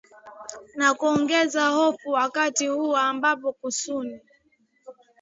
na kuongeza hofu wakati huu ambapo kusini